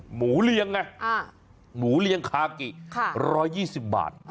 หมูเลี้ยงไงหมูเลี้ยงขากิ๑๒๐บาท